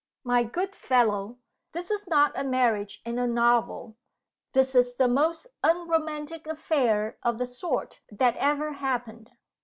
"My good fellow, this is not a marriage in a novel! This is the most unromantic affair of the sort that ever happened.